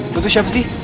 lu tuh siapa sih